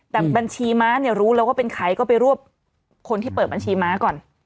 แต่บัญชีม้าเนี่ยรู้แล้วว่าเป็นใครก็ไปรวบคนที่เปิดบัญชีม้าก่อน